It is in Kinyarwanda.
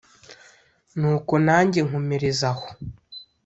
nuko nange nkomereza aho